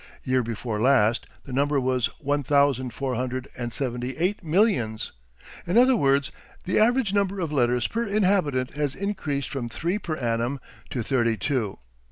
Year before last the number was one thousand four hundred and seventy eight millions. In other words, the average number of letters per inhabitant has increased from three per annum to thirty two.